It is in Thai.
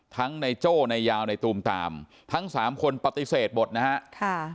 ในโจ้ในยาวในตูมตามทั้งสามคนปฏิเสธหมดนะฮะค่ะ